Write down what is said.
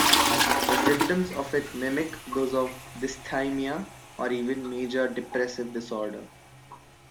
The symptoms of it mimic those of dysthymia or even major depressive disorder.